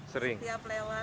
sering setiap lewat